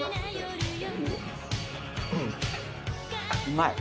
うまい。